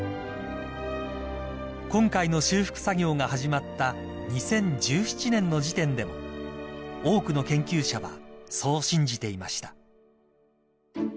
［今回の修復作業が始まった２０１７年の時点でも多くの研究者はそう信じていました］